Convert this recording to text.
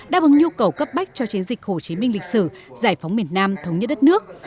đáp ứng nhu cầu cấp bách cho chiến dịch hồ chí minh lịch sử giải phóng miền nam thống nhất đất nước